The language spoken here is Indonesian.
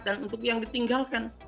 dan untuk yang ditinggalkan